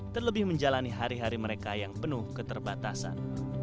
terlebih menjalani hari hari mereka yang penuh keterbatasan